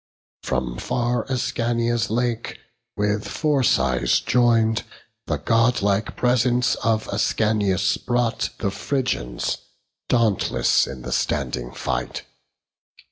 From far Ascania's lake, with Phorcys join'd, The godlike presence of Ascanius brought The Phrygians, dauntless in the standing fight.